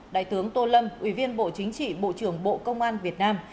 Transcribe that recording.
đại tướng tô lâm ủy viên bộ chính trị bộ trưởng bộ công an việt nam